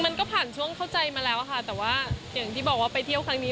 มันก็ผ่านช่วงเข้าใจมาแล้วค่ะแต่ว่าอย่างที่บอกว่าไปเที่ยวครั้งนี้